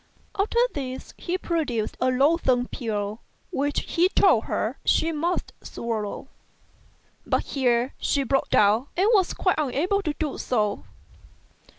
After this he produced a loathsome pill which he told her she must swallow, but here she broke down and was quite unable to do so.